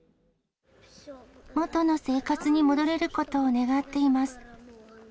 元の生活に戻れることを願っています。